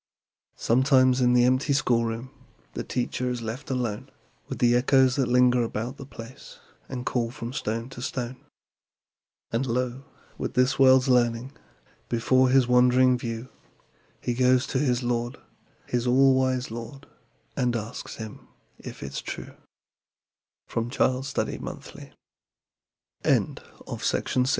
Sometimes, in the empty schoolroom, The teacher is left alone With the echoes that linger about the place And call from stone to stone. And, lo, with this world's learning Before his wondering view, He goes to his Lord his all wise Lord, And asks Him if it's